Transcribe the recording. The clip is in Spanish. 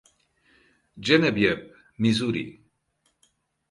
Genevieve, Misuri.